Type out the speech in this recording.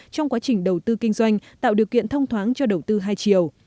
trong quá trình đầu tư kinh doanh tạo điều kiện thông thoáng cho đầu tư hai chiều